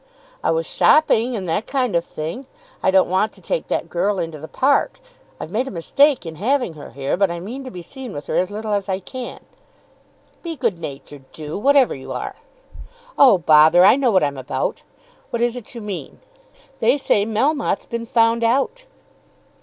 "I was shopping, and that kind of thing. I don't want to take that girl into the Park. I've made a mistake in having her here, but I mean to be seen with her as little as I can." "Be good natured, Ju, whatever you are." "Oh, bother! I know what I'm about. What is it you mean?" "They say Melmotte's been found out."